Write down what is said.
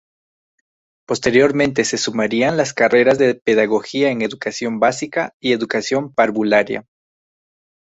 Posteriormente se sumarían las carreras de Pedagogía en Educación Básica y Educación Parvularia.